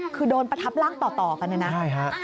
คือโดนประทับร่างต่อกันเลยนะ